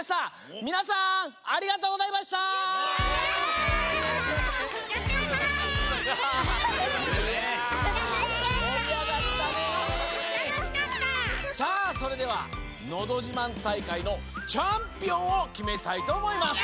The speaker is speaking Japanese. さあそれではのどじまん大会のチャンピオンをきめたいとおもいます！